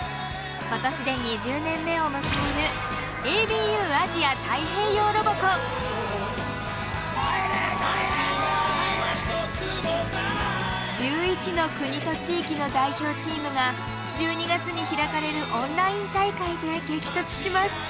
今年で２０年目を迎える１１の国と地域の代表チームが１２月に開かれるオンライン大会で激突します。